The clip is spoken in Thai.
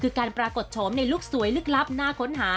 คือการปรากฏโฉมในลูกสวยลึกลับน่าค้นหา